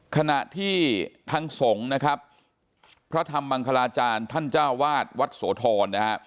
ขณะที่ทางสงฆ์นะครับพระธรรมมังคลาจารย์ท่านเจ้าวาดวัดโสธรนะฮะ